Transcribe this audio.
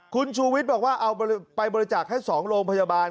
คุณชูวิทย์บอกว่าเอาไปบริจาคให้๒โรงพยาบาล